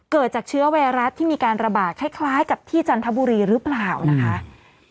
เกิดจากเชื้อไวรัสที่มีการระบาดคล้ายกับที่จันทบุรีหรือเปล่านะคะ